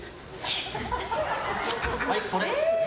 はい、これ。